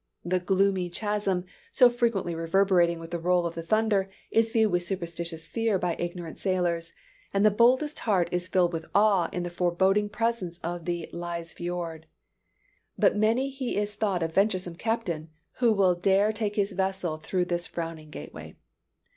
The gloomy chasm, so frequently reverberating with the roll of the thunder, is viewed with superstitious fear by ignorant sailors; and the boldest heart is filled with awe in the forbidding presence of the Lyse Fiord. By many he is thought a venturesome captain who will dare take his vessel through this frowning gateway.